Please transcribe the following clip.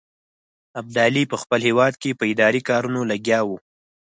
ابدالي په خپل هیواد کې په اداري کارونو لګیا وو.